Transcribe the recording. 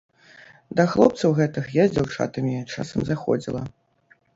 Да хлопцаў гэтых я з дзяўчатамі часам заходзіла.